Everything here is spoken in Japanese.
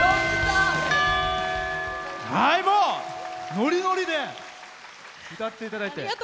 ノリノリで歌っていただいて。